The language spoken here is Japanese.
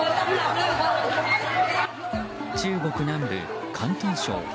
中国南部・広東省。